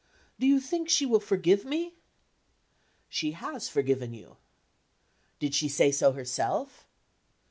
'Do you think she will forgive me?' 'She has forgiven you.' 'Did she say so herself?